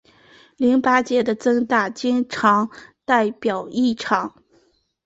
淋巴结的增大经常代表异常。